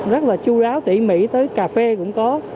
rất là chú đáo tỉ mỉ tới cà phê cũng có